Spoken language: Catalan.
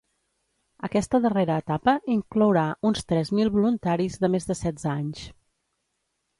Aquesta darrera etapa inclourà uns tres mil voluntaris de més de setze anys.